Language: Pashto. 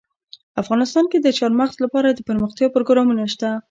افغانستان کې د چار مغز لپاره دپرمختیا پروګرامونه شته.